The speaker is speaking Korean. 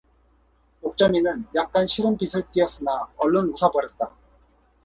옥점이는 약간 싫은 빛을 띠었으나 얼른 웃어 버렸다.